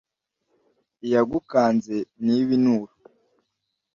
iyagukanze ntiba inturo